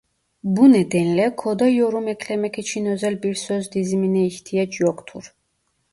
Bu nedenle koda yorum eklemek için özel bir söz dizimine ihtiyaç yoktur.